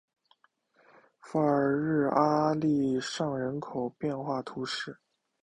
法尔日阿利尚人口变化图示